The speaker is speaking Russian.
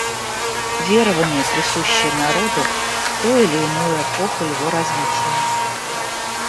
Верования, присущие народу в ту или другую эпоху его развития.